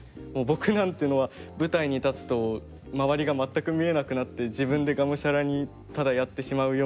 僕なんていうのは舞台に立つと周りが全く見えなくなって自分でがむしゃらにただやってしまうような人でして。